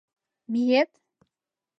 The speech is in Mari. Миет?